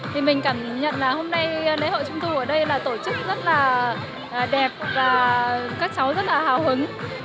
thì mình cảm nhận là hôm nay lễ hội trung thu ở đây là tổ chức rất là đẹp và các cháu rất là hào hứng